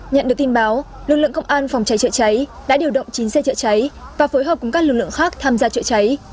nhận được tin báo lực lượng công an phòng cháy chữa cháy đã điều động chín xe chữa cháy và phối hợp cùng các lực lượng khác tham gia chữa cháy